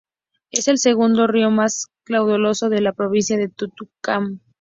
Es el segundo río más caudaloso de la provincia de Tucumán.